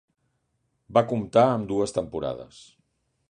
Va comptar amb dues temporades.